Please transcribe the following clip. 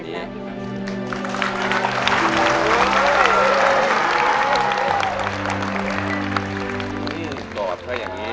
นี่กอดเขาอย่างนี้